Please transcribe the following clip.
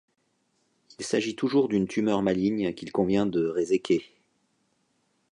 Il s'agit toujours d'une tumeur maligne qu'il convient de réséquer.